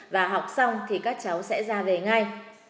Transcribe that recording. và học xong thì các cháu sẽ ra về ngay